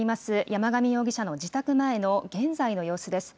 山上容疑者の自宅前の現在の様子です。